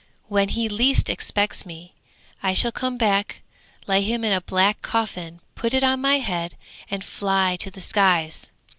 When he least expects me, I shall come back, lay him in a black coffin, put it on my head, and fly to the skies.